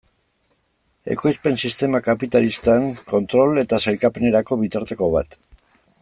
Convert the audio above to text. Ekoizpen sistema kapitalistan, kontrol eta sailkapenerako bitarteko bat.